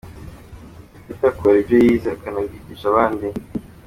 Gatete akora ibyo yize akanabyigisha abandi.